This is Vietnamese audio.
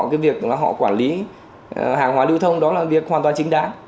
cái việc là họ quản lý hàng hóa lưu thông đó là việc hoàn toàn chính đáng